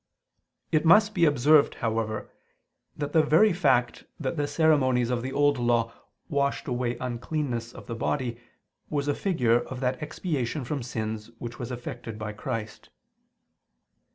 It must be observed, however, that the very fact that the ceremonies of the Old Law washed away uncleanness of the body, was a figure of that expiation from sins which was effected by Christ.